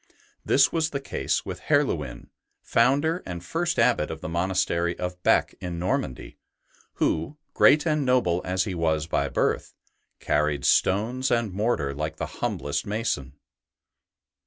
This was the case with Herluin, founder and first Abbot of the monastery of Bee in Normandy, who, great and noble as he was by birth, carried stones and mortar like the humblest mason.